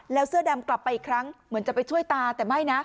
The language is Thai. แล้วเสื้อดำกลับไปอีกครั้งเหมือนจะไปช่วยตาแต่ไม่นะ